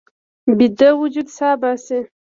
ویده وجود سا باسي